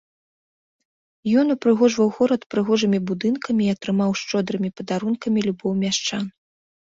Ён упрыгожваў горад прыгожымі будынкамі і атрымаў шчодрымі падарункамі любоў мяшчан.